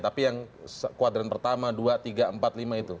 tapi yang kuadran pertama dua tiga empat lima itu